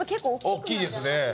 大きいですね。